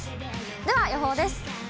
では予報です。